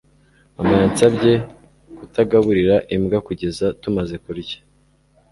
Mama yansabye kutagaburira imbwa kugeza tumaze kurya